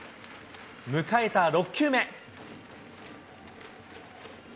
迎えた６球目。